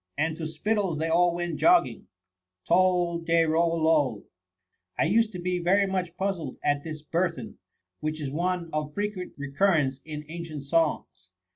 And to Spittle's they all went jogging. Tol de rol loL' I used, to be very much puzzled at this bur then, which is one of frequent recurrence in ancient songs.